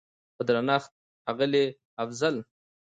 په درنښت اغلې افضل